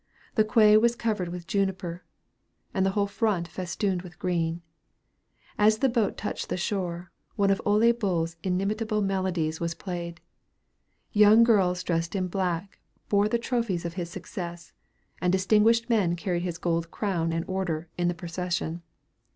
The quay was covered with juniper, and the whole front festooned with green. As the boat touched the shore, one of Ole Bull's inimitable melodies was played. Young girls dressed in black bore the trophies of his success, and distinguished men carried his gold crown and order, in the procession.